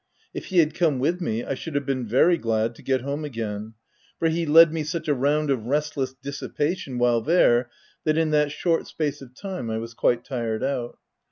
If he had come with me, I should have been very glad to get home again, for he led me such a round of restless dissipation, while there, that, in that short space of time, I was quite tired out.